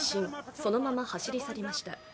そのまま走り去りました。